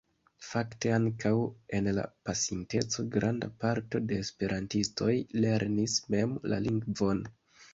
Fakte ankaŭ en la pasinteco granda parto de esperantistoj lernis mem la lingvon.